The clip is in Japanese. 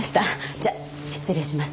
じゃあ失礼します。